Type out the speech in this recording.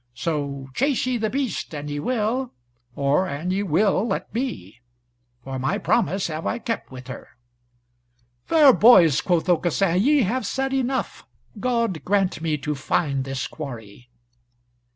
So chase ye the beast, an ye will, or an ye will let be, for my promise have I kept with her." "Fair boys," quoth Aucassin, "ye have said enough. God grant me to find this quarry."